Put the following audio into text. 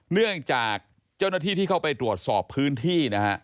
เนื่องจากเจ้าหน้าที่ที่เข้าไปตรวจสอบพื้นที่นะฮะ